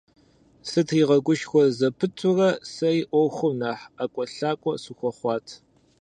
Сытригъэгушхуэ зэпытурэ, сэри Ӏуэхум нэхъ ӀэкӀуэлъакӀуэ сыхуэхъуат.